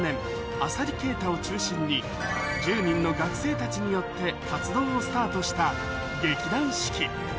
浅利慶太を中心に１０人の学生たちによって活動をスタートした劇団四季